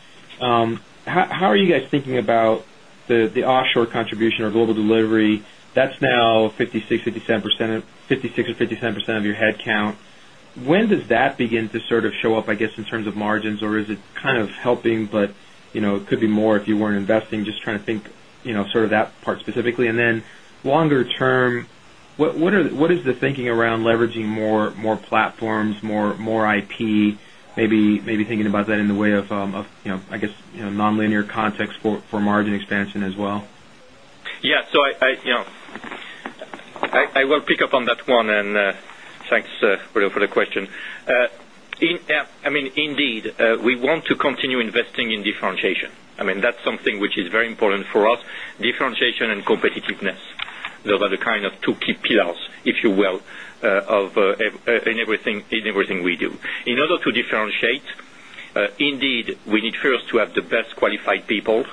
How are you guys thinking about the offshore contribution or global delivery? That's now 56% or 57% of your headcount. When does that begin to sort of show up, I guess, in terms of margins? Or is it kind of helping, but it could be more if you weren't investing just trying to think sort of that part specifically. And then longer term what is the thinking around leveraging more platforms, more IP, maybe thinking about that in the way of, I guess, nonlinear context for margin expansion as well? Yes. So I will pick up on that one and thanks Rodrigo, for the question. I mean, indeed, we want to continue investing in differentiation. I mean, that's something which is very important for us, differentiation and competitiveness, those are the kind of 2 key pillars, if you will, of in everything we do. In order to differentiate, indeed, we need first to have the best qualified people,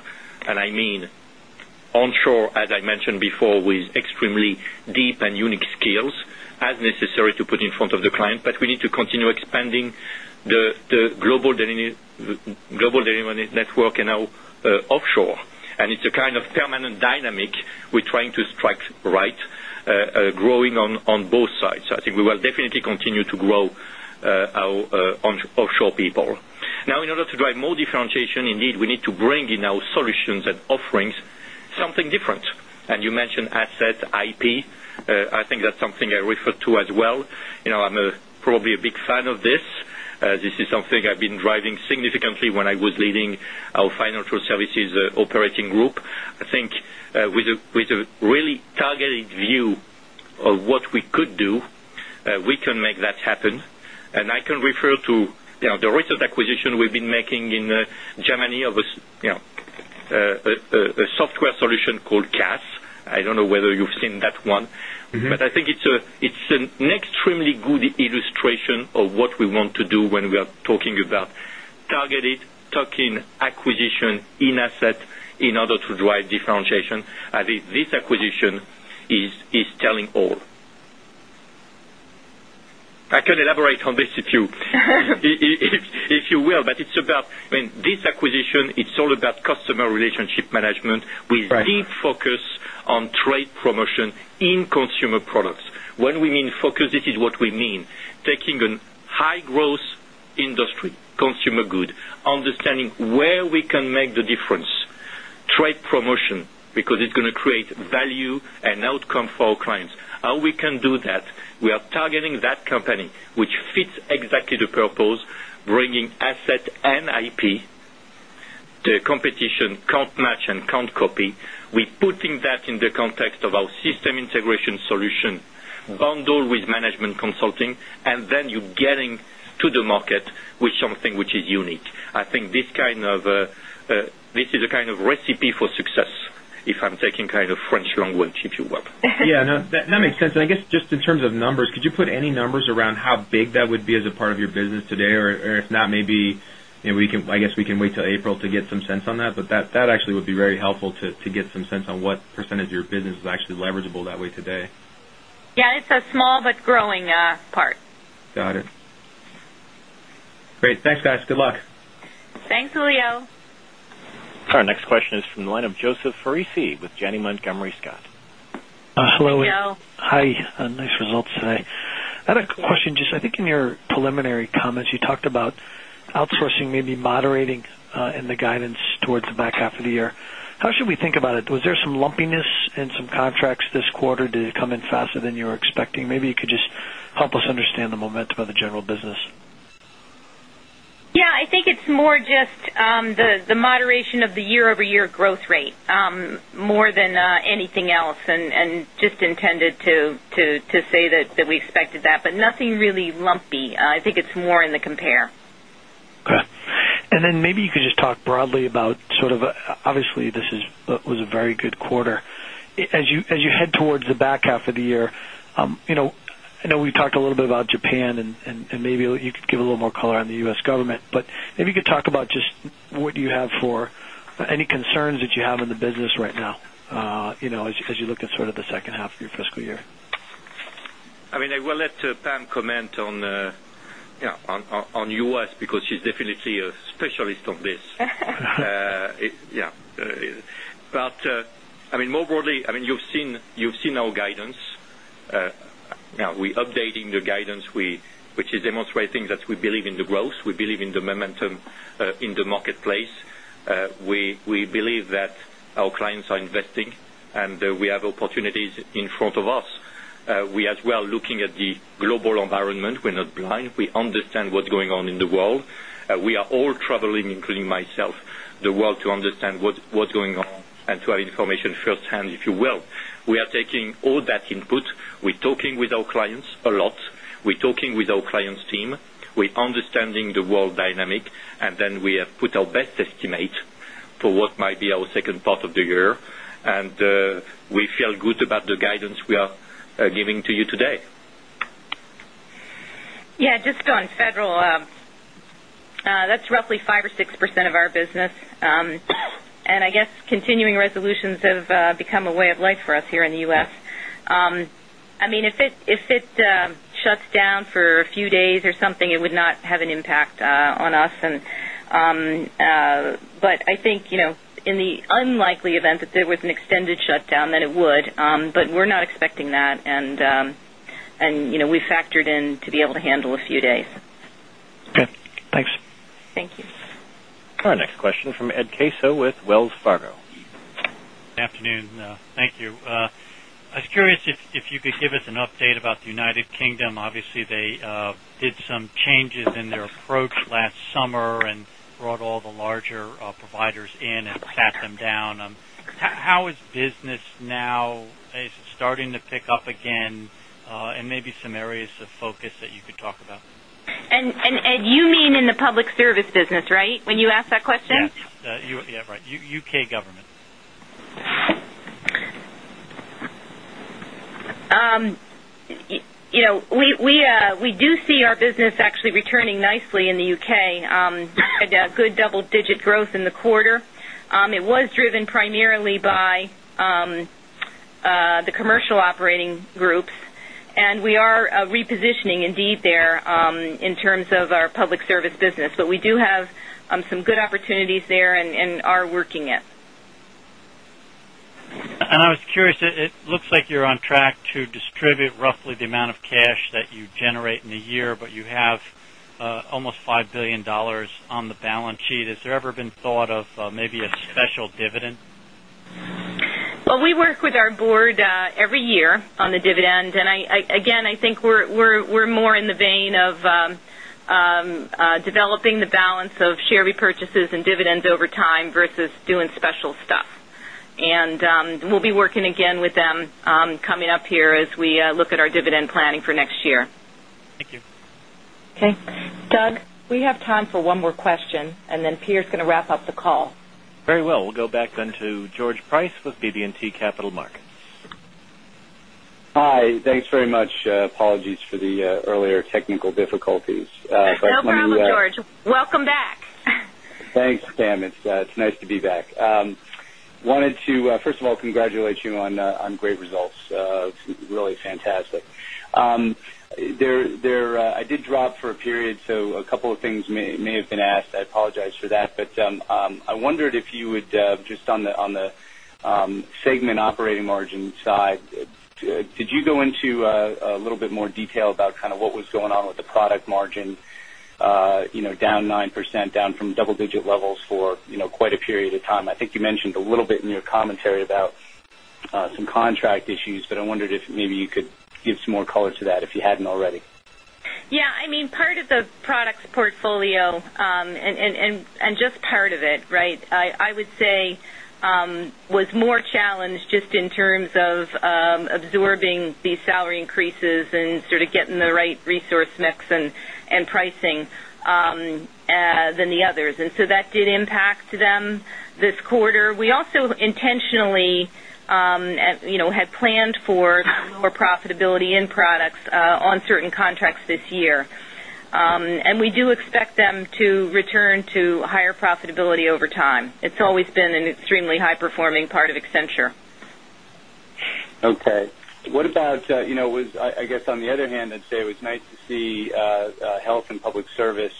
and I mean onshore, as I mentioned before, with extremely deep and unique skills as necessary to put in front of the client, but we need to continue expanding the global delivery network and now offshore. And it's kind of permanent dynamic we're trying to strike right, growing on both sides. So I think we will definitely continue to grow our offshore people. Now in order to drive more differentiation, indeed, we need to bring in our solutions and offerings something different. And you mentioned asset IP. I think that's something I referred to as well. I'm probably a big fan of this. This is something I've been driving to could do, we can make that happen. And I can refer to the recent acquisition we've been making in Germany, a software solution called CAS. I don't know whether you've seen that one. But I think it's an extremely good illustration of what we want to do when we are talking about targeted tuck in acquisition in asset in order to drive differentiation. I think this acquisition is telling all. I can elaborate on this if you will, but it's about I mean, this acquisition, it's all about customer relationship management with a big focus on trade promotion in consumer products. When we mean focus, this is what we mean, taking an high growth industry consumer consumer good, understanding where we can make the difference, trade promotion because it's going to create value and outcome for clients. How we can do that? We are targeting that company, which fits exactly the purpose, bringing asset and IP. The competition can't match and can't copy. We're putting that in the context of our system integration solution, bundled with management consulting, taking kind of French language, if you taking kind of French long wind, keep you up. Yes. That makes sense. And I guess just in terms of numbers, could you put any numbers around how big that would be as a part of your business today? Or if not, maybe we can I guess we can wait till April to get some sense on that, but that actually would be very helpful to get some sense on what percentage of your business is actually leverageable that way today? Yes, it's a small but growing part. Our next question is from the line of Joseph Foresi with Janney Montgomery Scott. Hello, Hi. Nice results today. I had a question just I think in your preliminary comments you talked about outsourcing maybe moderating in the guidance towards the back half of the year. How should we think about it? Was there some lumpiness in some contracts this quarter? Did it come in faster than you were expecting? Maybe you could just help us understand the momentum of the general business. Yes. I think it's more just the moderation of the year over year growth rate, more than anything else and just intended to say that we expected that, but nothing really lumpy. I think it's more in the compare. Okay. And then maybe you could just talk broadly about sort of obviously this is was a very good quarter. As you head towards the back half of the year, I know we talked a little bit about Japan and maybe you could give a little more color on the U. S. Government. But maybe you could talk about just what do you have for any concerns that you have in the business right now as you look at sort of the second half of your fiscal year? I mean, I will let Pam comment on U. S. Because she's definitely a specialist on this. Yes. But I mean, more broadly, I mean, you've seen our guidance. We're updating the guidance, which is demonstrating that we believe in the growth. We believe in the momentum in the marketplace. We believe that our clients are investing, and we have opportunities in front of us. We as well looking at the global environment. We're not blind. We understand what's going on in the world. We are all traveling, including myself, the world to understand what's going on and to have information firsthand, if you will. We are taking all that input. We're talking with our clients a lot. We're talking with our clients' team. We're understanding the world dynamic, and then we have put our best estimate for what be our 2nd part of the year. And we feel good about the guidance we are giving to you today. Yes. Just on federal, that's roughly 5% or 6% of our business. And I guess continuing resolutions have become a way of life for us here in the U. S. I mean, if it shuts down for a few days or something, it would not have an impact on us. But I think in the unlikely event that there was an extended shutdown that it would, but we're not expecting that and we factored in to be able to handle a few days. Okay. Thanks. Thank you. Our next question is from Ed Caso with Wells Fargo. Good afternoon. Thank you. I was curious if you could give us an update about the United Kingdom. Obviously, they did some changes in their approach last summer and brought all the larger providers in and pat them down. How is business now starting to pick up again and maybe some areas of focus that you could talk about? And Ed, you mean in the public service business, We do see our business actually returning nicely in the U. K. We had a good double digit growth in the quarter. It was driven primarily by the commercial operating groups. And we are repositioning there in terms of our public service business. But we do have some good opportunities there and are working it. And I was at. And I was curious, it looks like you're on track to distribute roughly the amount of cash that you generate in the year, but you have almost $5,000,000,000 on the balance sheet. Has there ever been thought of maybe a special dividend? Well, we work with our Board every year on the dividend. And again, I think we're more in the vein of developing the balance of share repurchases and dividends over time versus doing special stuff. And we'll be working again with them coming up here as we look at our dividend planning for next year. Thank you. Okay. Doug, we have time for one more question and then Pierre is going to wrap up the call. Very well. We'll go back then to George Price with BB and T Capital Markets. Hi, thanks very much. Apologies for the earlier technical difficulties. No problem, George. Welcome back. Thanks, Pam. It's nice to be back. Wanted to, 1st of all, congratulate you on great results. It's really fantastic. There I did drop for a period, so a couple of things may have been asked. I apologize for that. But I wondered if you would just on the segment operating margin side, could you go into a little bit more detail about kind of what was going on with the product margin, down 9%, down from double digit levels for quite a period of time. I think you mentioned a little bit in your commentary about some contract issues, but I wondered if maybe you could give some more color to that if you hadn't already. Yes. I mean part of the products portfolio, and just part of it, right, I would say, was more challenged just in terms of absorbing these salary increases and sort of getting the right resource mix and pricing than the others. And so that did impact them this quarter. We also intentionally had planned for Accenture. Okay. What about, I guess, on the other hand, I'd say it was nice to see Health and Public Service,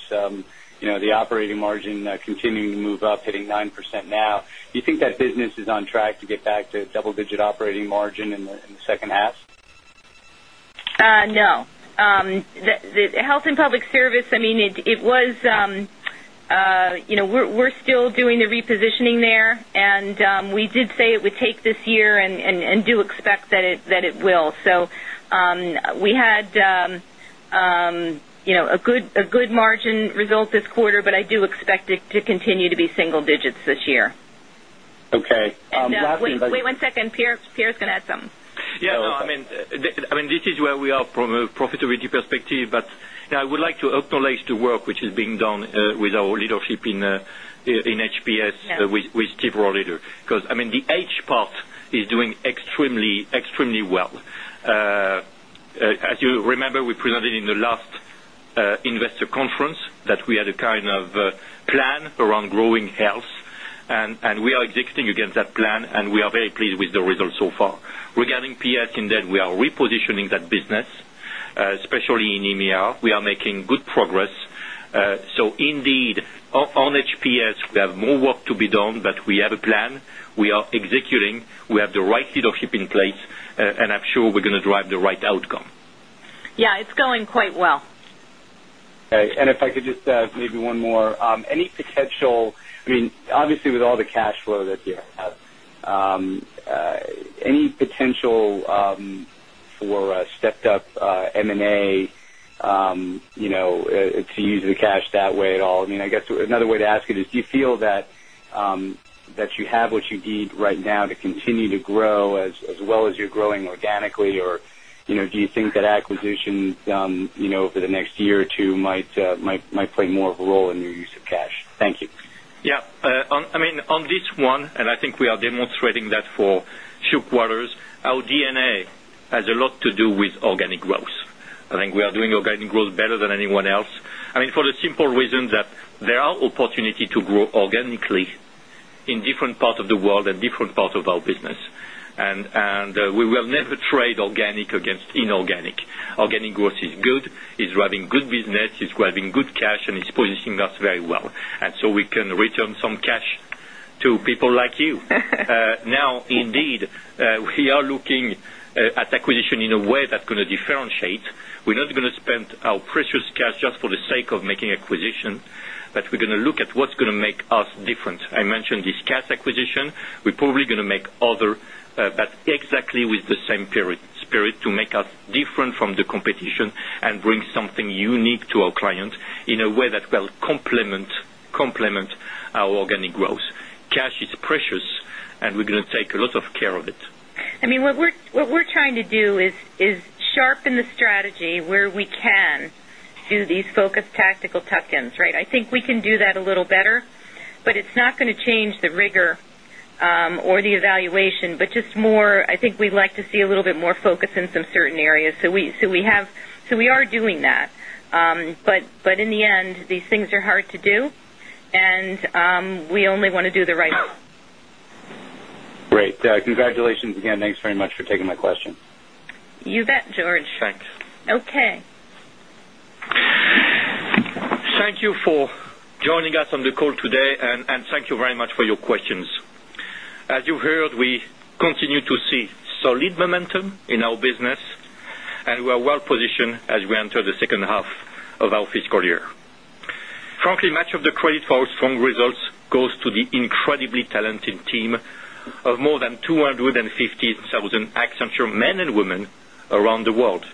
the operating margin continuing to move up, hitting 9% now. Do you think that business is on track to get back to double digit operating margin in the second half? No. The Health and Public Service, I mean, it was we're still doing the repositioning there. And we did say it would take this year and do expect that it will. So we had a good margin result this quarter, but I do expect it to continue to be single digits this year. Okay. Wait, one second, Pierre is going to add some. Yes. No, I mean, this is where we are from a profitability perspective. But I would like to acknowledge the work which is being done with our leadership in HPS with Steve Rolledder because, I mean, the H part is doing extremely, extremely well. As you remember, we presented in the last investor conference that we had a kind of plan around growing health. And we are executing against that plan, and we are very pleased with the results so far. Regarding PS Indev, we are repositioning that business, executing. We have the right leadership in place, and I'm sure we're going to executing. We have the right leadership in place, and I'm sure we're going to drive the right outcome. Yes, it's going quite well. And if I could just add maybe one more. Any potential I mean, obviously, with all the cash flow that you have, any potential for a stepped up M and A to use the cash that way at all? I mean, I guess another way to ask it is, do you feel that you have what you need right now to continue to grow as well as you're growing organically? Or do you think that acquisition over the next year or 2 might play more of a role in your use of cash? Thank you. Yes. I mean, on this one, and I think we are demonstrating that for few quarters, our DNA has a lot to do with organic growth. I think we are doing organic growth better than anyone else. I mean, for the simple reasons that there are opportunity to grow organically in different parts of the world and different parts of our business. And we will never trade organic against inorganic. Organic growth is good. It's driving good business. It's driving good cash, and it's positioning us very well. And so we can return some cash to people like you. Now indeed, we are looking at acquisition in a way that's going to differentiate. We're not going to make us different. I mentioned this CAS acquisition. We're at what's going to make us different. I mentioned this cash acquisition. We're probably going to make other, but exactly with the same period to make us different from the competition and bring something unique to our clients in a way that will complement our organic growth. Cash is precious, and we're going to take a lot of care of it. I mean, what we're trying to do is sharpen the strategy where we can do these focused tactical tuck ins, right? I think we can do that a little better, but it's not going to change the rigor or the evaluation, but just more I think we'd like to see a little bit more focus in some certain areas. So we have so we are doing that. But in the end, these things are hard to do. And we only want to do the right Great. Congratulations again. Thanks very much for taking my question. You bet, George. Thanks. Okay. Thank you for joining us on the call today, and thank you very much for your questions. As you heard, we continue to see solid momentum in our business, and we are well positioned as we enter the second half of our fiscal year. Frankly, much of the credit for our strong results goes to the incredibly talented team of more than 250,000 men and women around the world.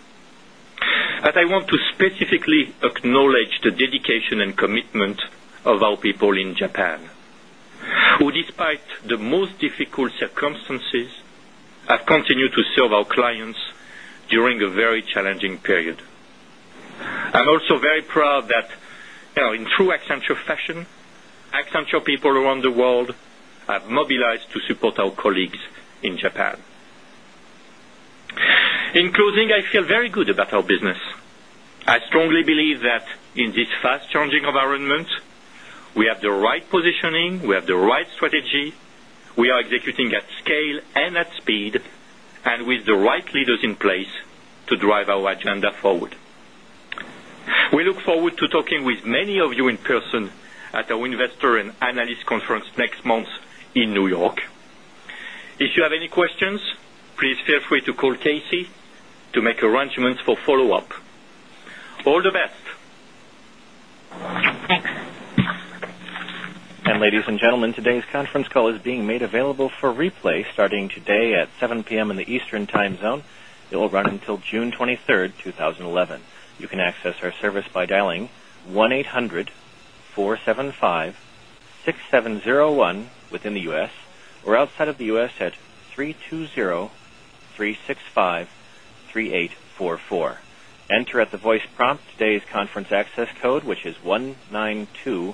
As I want to specifically acknowledge the dedication and commitment of our people in Japan, who despite the most difficult circumstances, have continued to serve our clients during a very challenging period. I'm also very proud that in true Accenture fashion, Accenture people around the world have mobilized to support our colleagues in Japan. In closing, I feel very good about our business. I strongly believe that in this fast changing environment, we have the right positioning, we have the right strategy, we are executing at at at our Investor and Analyst Conference next month in New York. If you have any questions, please feel free to call Casey to make arrangements for follow-up. All the best. Thanks. And ladies And ladies and gentlemen, today's conference call is being made available for replay starting today at 7 p. M. In the Eastern Time Zone. It will run until June 20 3, 2011. You can access our service by dialing 1-eight hundred-four seventy five-six thousand seven 1 within the U. S. Or outside of the U. S. At 320-365-3844.